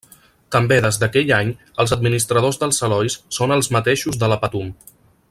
També des d'aquell any els administradors dels Elois són els mateixos de La Patum.